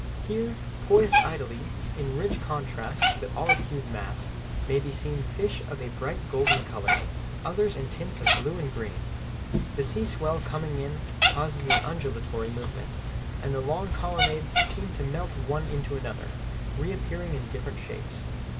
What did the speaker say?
Here, poised idly, in rich contrast to the olive hued mass, may be seen fish of a bright golden color, others in tints of blue and green. The sea swell coming in causes an undulatory movement, and the long colonnades seem to melt one into another, reappearing in different shapes.